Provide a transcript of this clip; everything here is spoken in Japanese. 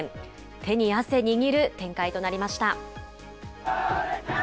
手に汗握る展開となりました。